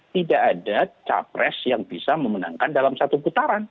tidak ada cawapres yang bisa memenangkan dalam satu tahun